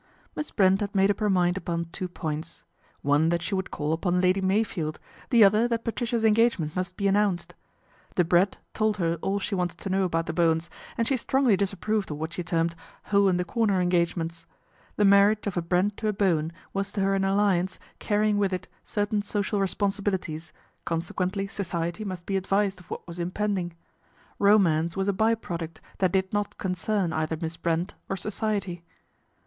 Miss Brent had made up her mind upon two points. One that she would call upon Lady Meyfield, the other that Patricia's engagement must be announced. Debrett told her all she wanted to know about the Bowens, and she strongly disapproved of what she termed "hole in the corner engagements." The marriage of a Brent to a Bowen was to her an alliance, carrying with it certain social responsibilities, consequently Society must be advised of what was impending. Romance was a by product that did not concern either Miss Brent or Society.